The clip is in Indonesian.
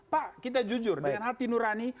pak kita jujur dengan hati nurani